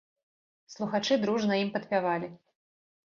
Слухачы дружна ім падпявалі.